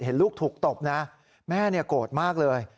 เห็นลูกถูกตบนะแม่โกรธมากเลย